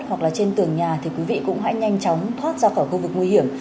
hoặc là trên tường nhà thì quý vị cũng hãy nhanh chóng thoát ra khỏi khu vực nguy hiểm